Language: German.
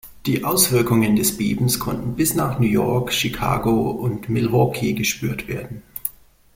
Die Auswirkungen des Bebens konnten bis nach New York, Chicago und Milwaukee gespürt werden.